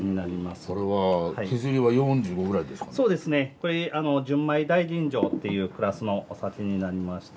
これ純米大吟醸っていうクラスのお酒になりまして。